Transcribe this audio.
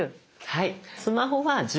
はい。